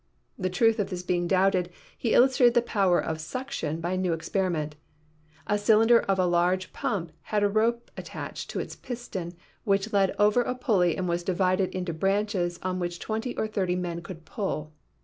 The truth of this being doubted, he illustrated the power of "suction" by a new experiment. "A cylinder of a large pump had a rope attached to its piston, which led over a pulley and was divided into branches on which twenty or thirty men could pull.